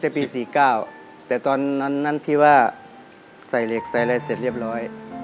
ปี๔๙แต่ตอนนั้นที่ว่าใส่เหล็กใส่อะไรเสร็จเรียบร้อย